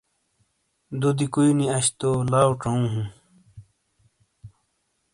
دودی کوئی نی اش تو لاؤ ژوُوں ہوں۔